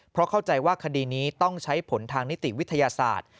เพราะเข้าใจว่าคดีนี้ต้องใช้ผลทางนิติวิทยาศาสตร์